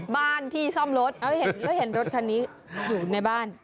บ้านที่ซ่อมรถแล้วเห็นรถคันนี้อยู่ในบ้าน